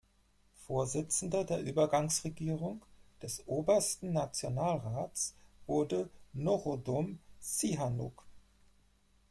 Vorsitzender der Übergangsregierung, des „Obersten Nationalrats“, wurde Norodom Sihanouk.